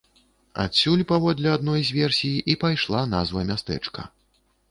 Адсюль, паводле адной з версій, і пайшла назва мястэчка.